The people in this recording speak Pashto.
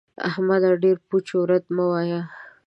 احمده! ډېر پوچ و رد مه وايه.